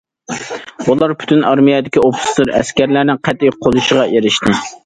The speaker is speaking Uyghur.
بۇلار پۈتۈن ئارمىيەدىكى ئوفىتسېر- ئەسكەرلىرىنىڭ قەتئىي قوللىشىغا ئېرىشتى.